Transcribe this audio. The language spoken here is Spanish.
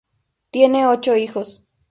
Tiene ocho hijos.